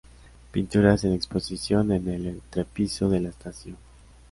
Pinturas en exposición en el entrepiso de la Estación.